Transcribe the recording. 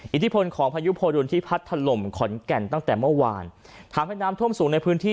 อิทธิพลของพายุโพดุลที่พัดถล่มขอนแก่นตั้งแต่เมื่อวานทำให้น้ำท่วมสูงในพื้นที่